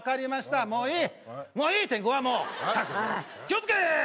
気を付け。